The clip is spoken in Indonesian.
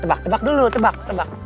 tebak tebak dulu tebak